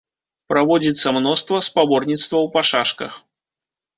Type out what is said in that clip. Праводзіцца мноства спаборніцтваў па шашках.